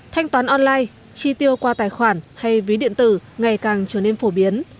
thanh toán online chi tiêu qua tài khoản hay ví điện tử ngày càng trở nên phổ biến